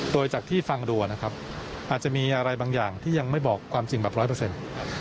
โดยจากที่ฟังดูนะครับอาจจะมีอะไรบางอย่างที่ยังไม่บอกความจริงแบบร้อยเปอร์เซ็นต์